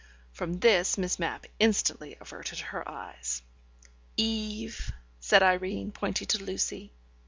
From this Miss Mapp instantly averted her eyes. "Eve," said Irene, pointing to Lucy.